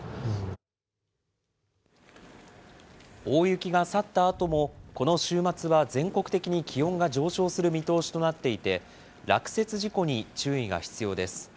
大雪が去ったあとも、この週末は全国的に気温が上昇する見通しとなっていて、落雪事故に注意が必要です。